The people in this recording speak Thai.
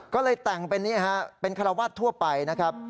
ก็เลยแต่งเป็นนี่ฮะเป็นคารวาสทั่วไปนะครับ